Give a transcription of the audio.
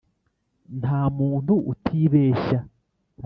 nta muntu utibeshya,